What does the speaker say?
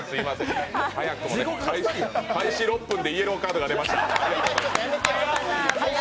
開始６分でイエローカードが出ました。